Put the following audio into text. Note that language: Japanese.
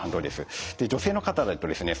女性の方だとですね